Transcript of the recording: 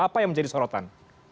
apa yang menjadi sorotan